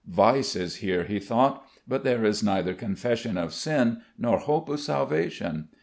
"Vice is here," he thought; "but there is neither confession of sin nor hope of salvation.